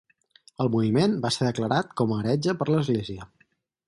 El moviment va ser declarat com a heretge per l'Església.